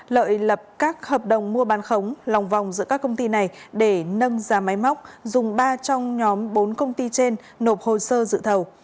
lợi lập các hợp đồng mua bán khống lòng vòng giữa các công ty này để nâng ra máy móc dùng ba trong nhóm bốn công ty trên nộp hồ sơ dự thầu